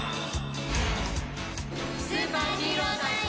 スーパーヒーロータイム！